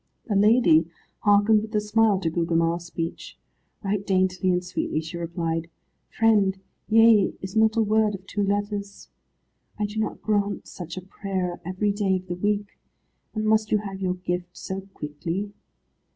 The lady hearkened with a smile to Gugemar's speech. Right daintily and sweetly she replied, "Friend, yea is not a word of two letters. I do not grant such a prayer every day of the week, and must you have your gift so quickly?"